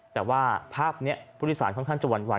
แต่ว่าภาพนี้ผู้โดยสารค่อนข้างจะหวั่น